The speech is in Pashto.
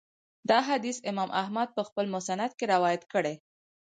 دا حديث امام احمد په خپل مسند کي روايت کړی